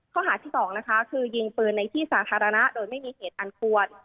ข้อหาที่๒นะคะคือยิงปืนในที่สาธารณะโดยไม่มีเหตุอันควร